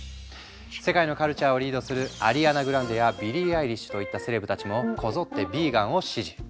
世界のカルチャーをリードするアリアナ・グランデやビリー・アイリッシュといったセレブたちもこぞってヴィーガンを支持。